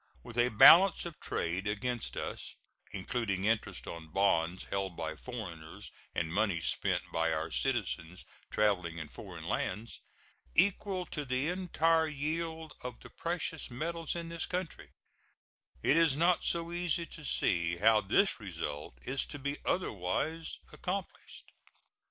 With a balance of trade against us (including interest on bonds held by foreigners and money spent by our citizens traveling in foreign lands) equal to the entire yield of the precious metals in this country, it is not so easy to see how this result is to be otherwise accomplished.